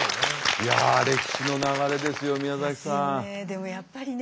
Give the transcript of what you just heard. いや歴史の流れですよ宮崎さん。ですよね。